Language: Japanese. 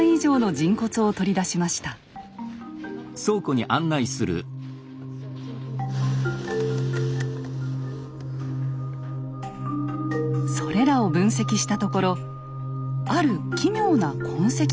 それらを分析したところある奇妙な痕跡が見つかったといいます。